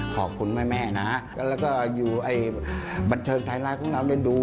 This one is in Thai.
ขอบคุณแม่นะแล้วก็อยู่บันเทิงไทยรัฐของเราได้ดู